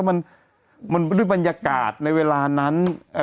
มันมันด้วยบรรยากาศในเวลานั้น